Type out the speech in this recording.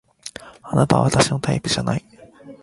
あなたは私のタイプじゃない